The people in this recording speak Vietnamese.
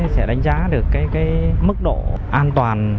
sẽ đánh giá được cái mức độ an toàn